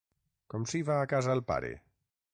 Com s'hi va a casa el pare?